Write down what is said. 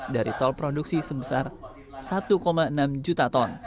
dari tol produksi sebesar satu enam juta ton